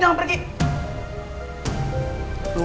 jangan bikin marih temen lu guys